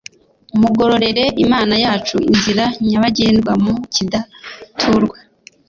Mugororere Imana yacu inzira nyabagendwa mu kidaturwa!